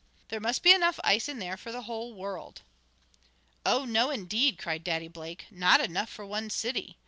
"There must be enough ice in there for the whole world!" "Oh, no indeed!" cried Daddy Blake. "No enough for one city.